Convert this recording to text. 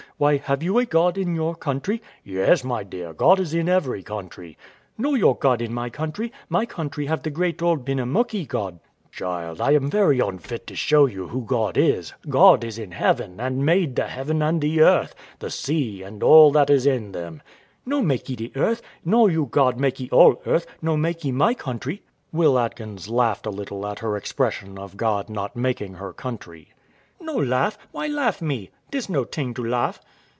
Why, have you a God in your country? W.A. Yes, my dear, God is in every country. Wife. No your God in my country; my country have the great old Benamuckee God. W.A. Child, I am very unfit to show you who God is; God is in heaven and made the heaven and the earth, the sea, and all that in them is. Wife. No makee de earth; no you God makee all earth; no makee my country. [Will Atkins laughed a little at her expression of God not making her country.] Wife. No laugh; why laugh me? This no ting to laugh.